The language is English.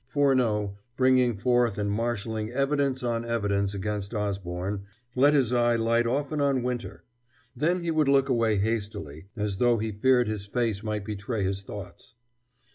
Furneaux, bringing forth and marshaling evidence on evidence against Osborne, let his eye light often on Winter; then he would look away hastily as though he feared his face might betray his thoughts.